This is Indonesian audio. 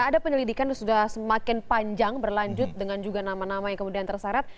ada penyelidikan sudah semakin panjang berlanjut dengan juga nama nama yang kemudian terseret